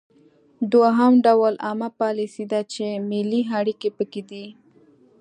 دوهم ډول عامه پالیسي ده چې ملي اړیکې پکې دي